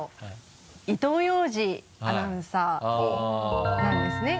伊東陽司アナウンサーなんですね。